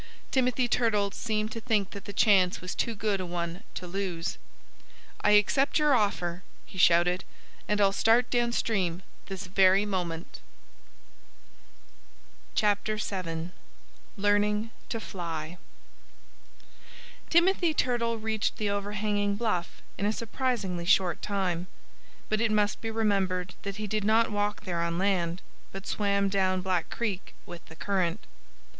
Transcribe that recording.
Timothy Turtle seemed to think that the chance was too good a one to lose. "I accept your offer," he shouted. "And I'll start downstream this very moment." VII LEARNING TO FLY Timothy Turtle reached the overhanging bluff in a surprisingly short time. But it must be remembered that he did not walk there on land, but swam down Black Creek with the current.